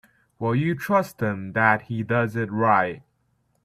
Will you trust him that he does it right?